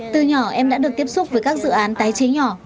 từ nhỏ em đã được tiếp xúc với các dự án tái chế nhỏ